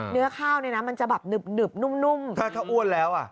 เนื้อข้าวในน่ะมันจะแบบหนึบหนึบนุ่มนุ่มถ้าเขาอ้วนแล้วอ่ะ